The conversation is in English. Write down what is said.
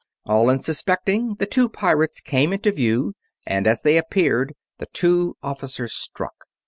All unsuspecting, the two pirates came into view, and as they appeared the two officers struck.